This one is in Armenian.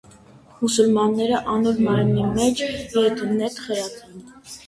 Մուսուլմանները անոր մարմինի մէջ եօթը նետ խրած էին։